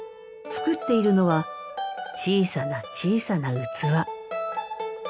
作っているのは小さな小さな器。